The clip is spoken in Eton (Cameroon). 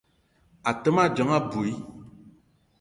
A te ma dzeng abui.